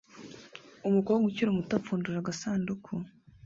Umukobwa ukiri muto apfundura agasanduku